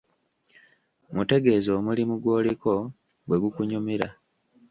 Mutegeeze omulimu gw'oliko bwe gukunyumira.